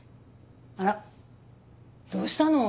あらどうしたの？